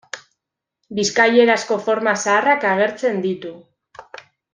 Bizkaierazko forma zaharrak agertzen ditu.